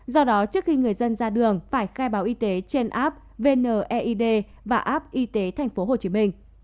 do đó trước khi người dân ra đường phải khai báo y tế trên app vneid và app y tế tp hcm